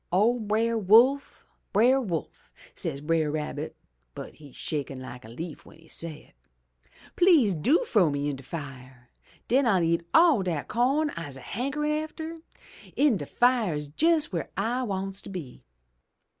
"'O Brer Wolf! Brer Wolf!' says Brer Rabbit (but he's shakin' like a leaf w'en he say it). Tlease do frow me in de fire. Den I'll eat all dat co'n I'se hankerin' atter. In de fire's jes' w'ere I wants to be.